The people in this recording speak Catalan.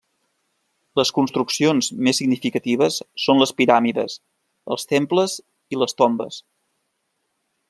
Les construccions més significatives són les piràmides, els temples i les tombes.